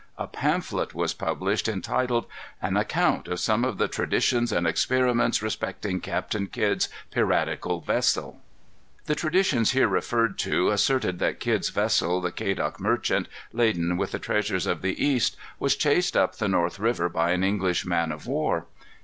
A pamphlet was published, entitled: "An Account of Some of the Traditions and Experiments Respecting Captain Kidd's Piratical Vessel." The traditions here referred to asserted that Kidd's vessel, the Quedagh Merchant, laden with the treasures of the East, was chased up the North River by an English man of war.